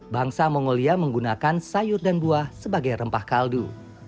bangsa mongolia menggunakan sayur dan buah sebagai rempah kaldu